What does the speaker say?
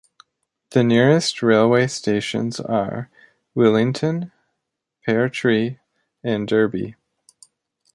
The nearest railway stations are Willington, Pear Tree and Derby.